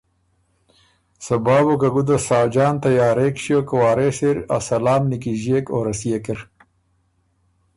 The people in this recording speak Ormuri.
صبا بُو که ګُده ساجان تیارېک ݭیوک وارث اِر ا سلام نیکِݫيېک او رسيېک اِر